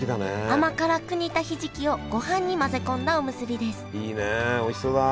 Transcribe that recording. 甘辛く煮たひじきをごはんに混ぜ込んだおむすびですいいねおいしそうだ。